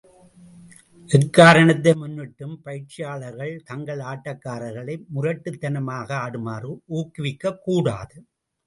எக்காரணத்தை முன்னிட்டும், பயிற்சியாளர்கள் தங்கள் ஆட்டக்காரர்களை முரட்டுத்தனமாக ஆடுமாறு ஊக்குவிக்கக்கூடாது.